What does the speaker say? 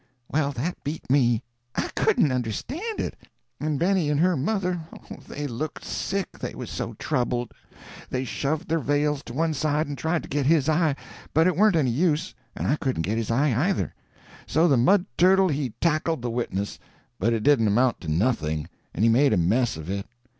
Well, that beat me. I couldn't understand it. And Benny and her mother—oh, they looked sick, they was so troubled. They shoved their veils to one side and tried to get his eye, but it warn't any use, and I couldn't get his eye either. So the mud turtle he tackled the witness, but it didn't amount to nothing; and he made a mess of it.